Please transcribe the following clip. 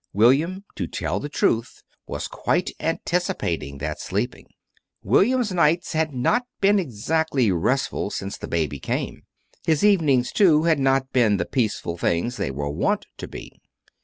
William, to tell the truth, was quite anticipating that sleeping. William's nights had not been exactly restful since the baby came. His evenings, too, had not been the peaceful things they were wont to be.